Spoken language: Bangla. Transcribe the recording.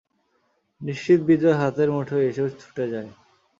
নিশ্চিত বিজয় হাতের মুঠোয় এসেও ছুটে যায়।